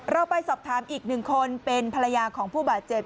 เราไปสอบถามอีกหนึ่งคนเป็นภรรยาของผู้บาดเจ็บ